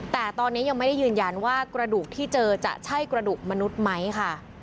แต่ตอนนี้ยังไม่ได้ยืนยันว่ากระดูกที่เจอจะใช่กระดูกมนุษย์ไหมค่ะ